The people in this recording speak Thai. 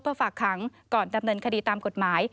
ฝากขังก่อนดำเนินคดีตามกฎหมาย